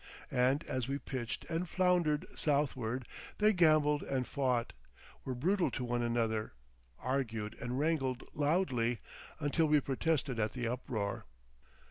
And as we pitched and floundered southward they gambled and fought, were brutal to one another, argued and wrangled loudly, until we protested at the uproar.